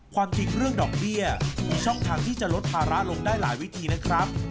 ความจริงเรื่องดอกเบี้ยมีช่องทางที่จะลดภาระลงได้หลายวิธีนะครับ